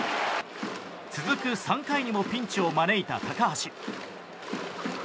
続く３回にもピンチを招いた高橋。